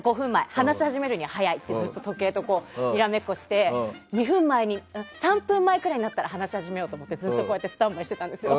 話を始めるには早いとずっと時計とにらめっこして３分前くらいになったら話始めようと思ってずっとスタンバイしてたんですよ。